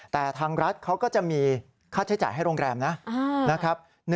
แต่ทางรัฐเขาก็จะมีค่าใช้จ่ายให้โรงแรมนะครับ